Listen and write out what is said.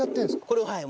これをはい。